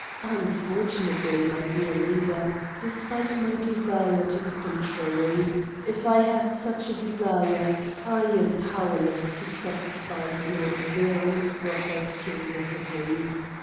Unfortunately, my dear reader, despite my desire to the contrary, if I had such a desire, I am powerless to satisfy your very proper curiosity.